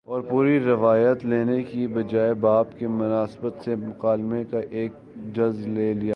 اور پوری روایت لینے کے بجائے باب کی مناسبت سے مکالمے کا ایک جز لے لیا ہے